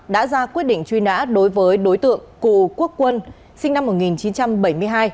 đã ra quyết định truy nã đối với đối tượng cù quốc quân sinh năm một nghìn chín trăm bảy mươi hai